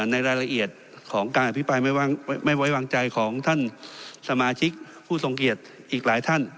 ในรายละเอียดของการอภิปรายไม่ไว้วางใจของท่านสมาชิกผู้ทรงเกียจอีกหลายท่าน